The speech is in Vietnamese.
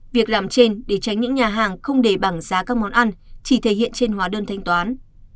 việc làm trên để tránh những nhà hàng không để bảng giá các món ăn chỉ thể hiện trên hóa đơn thanh toán